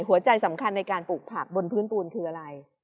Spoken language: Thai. หัวใจสำคัญในการปลูกผักบนพื้นปูนคืออะไร